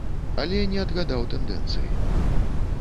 Але не адгадаў тэндэнцыі.